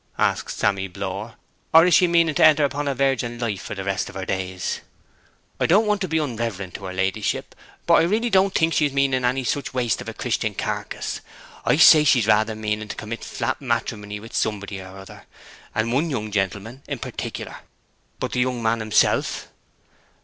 asked Sammy Blore. 'Or is she meaning to enter upon a virgin life for the rest of her days?' 'I don't want to be unreverent to her ladyship; but I really don't think she is meaning any such waste of a Christian carcase. I say she's rather meaning to commit flat matrimony wi' somebody or other, and one young gentleman in particular.' 'But the young man himself?'